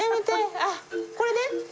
あっこれね。